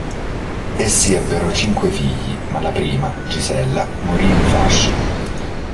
Essi ebbero cinque figli, ma la prima, Gisella, morì in fasce.